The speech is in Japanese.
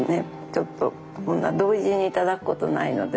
ちょっとこんな同時にいただくことないので。